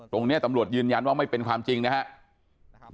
ตรงนี้ตำรวจยืนยันว่าไม่เป็นความจริงนะครับ